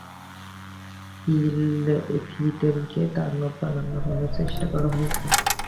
ফিদেলকে দানব বানানোর অনেক চেষ্টা করা হয়েছে।